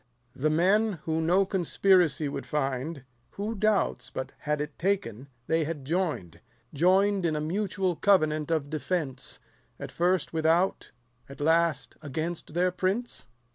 The men, who no conspiracy would find, Who doubts, but had it taken, they had join'd, 210 Join'd in a mutual covenant of defence ; At first without, at last against their prince